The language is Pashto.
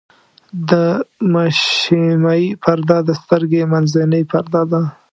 د مشیمیې پرده د سترګې منځنۍ پرده ده.